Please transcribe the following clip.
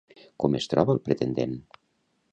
Com es troba el pretendent?